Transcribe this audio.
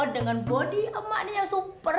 dengan bodi emaknya yang sobat